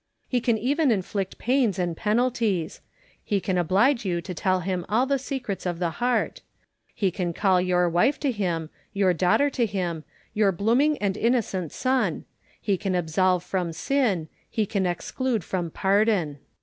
He can even inflict pains and penalties ; he can oblige you to tell him all the secrets of the heart : he can call your wife to him, your daughter to him, your blooming and innocent son ; he can absolve from sin ; he can exclude from pardon.